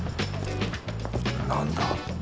何だ？